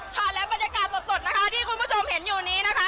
ค่ะและบรรยากาศสดนะคะที่คุณผู้ชมเห็นอยู่นี้นะคะ